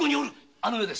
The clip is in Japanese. あの世です。